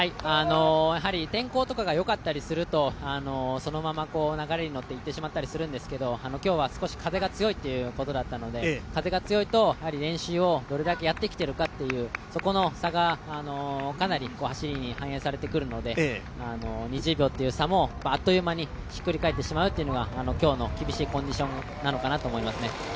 天候とかがよかったりすると、そのまま流れに乗っていってしまったりするんですが、今日は少し風が強いということだったので風が強いと練習をどれだけやってきているかというそこの差がかなり走りに反映されてくるので２０秒という差もあっという間にひっくり返ってしまうというのが今日の厳しいコンディションなのかなと思います。